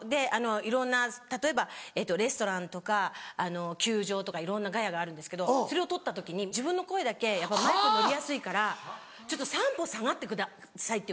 いろんな例えばレストランとか球場とかいろんなガヤがあるんですけどそれを録った時に自分の声だけやっぱマイクに乗りやすいから「３歩下がってください」って。